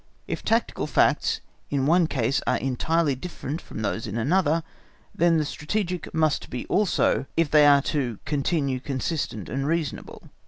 If tactical facts in one case are entirely different from those in another, then the strategic, must be so also, if they are to continue consistent and reasonable.